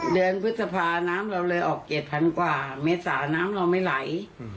พฤษภาน้ำเราเลยออก๗๐๐กว่าเมษาน้ำเราไม่ไหล